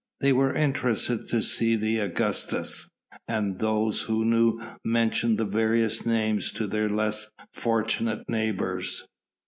They were interested to see the Augustas, and those who knew mentioned the various names to their less fortunate neighbours.